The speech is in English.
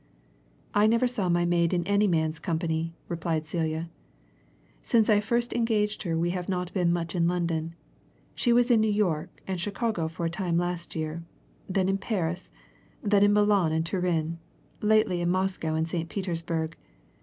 "I never saw my maid in any man's company," replied Celia. "Since I first engaged her we have not been much in London. I was in New York and Chicago for a time last year; then in Paris; then in Milan and Turin; lately in Moscow and St. Petersburg.